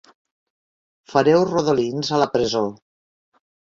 Fareu rodolins a la presó.